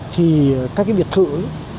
thì các cái biệt thự ấy